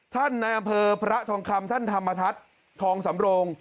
ในอำเภอพระทองคำท่านธรรมทัศน์ทองสำโรง